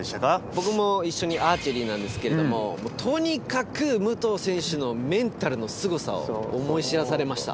僕も一緒にアーチェリーなんですけどもとにかく武藤選手のメンタルのすごさを思い知らされました。